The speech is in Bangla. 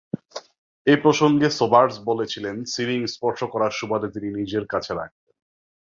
এ প্রসঙ্গে সোবার্স বলেছিলেন, সিলিং স্পর্শ করার সুবাদে তিনি নিজের কাছে রাখতেন।